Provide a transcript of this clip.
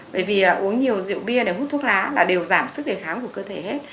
bởi vì uống nhiều rượu bia để hút thuốc lá là đều giảm sức đề kháng của cơ thể hết